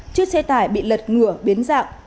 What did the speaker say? chiếc xe tải bị lật ngửa biến dạng